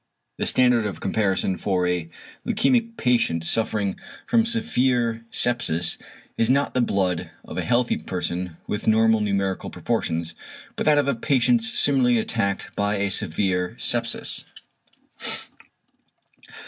The standard of comparison for a leukæmic patient suffering from severe sepsis is not the blood of a healthy person with normal numerical proportions, but that of a patient similarly attacked by a severe sepsis.